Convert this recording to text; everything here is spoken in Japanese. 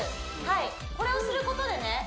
はいこれをすることでね